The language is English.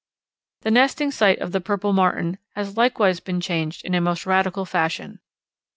The nesting site of the Purple Martin has likewise been changed in a most radical fashion.